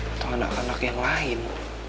atau anak anak yang lain